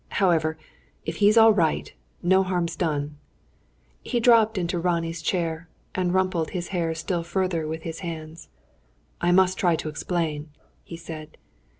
However, if he's all right, no harm's done." He dropped into Ronnie's chair, and rumpled his hair still further with his hands. "I must try to explain," he said.